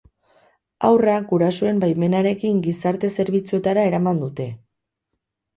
Haurra, gurasoen baimenarekin, gizarte zerbitzuetara eraman dute.